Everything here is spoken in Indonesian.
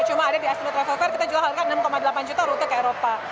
cuma ada di astro travel fair kita jual harga enam delapan juta rute ke eropa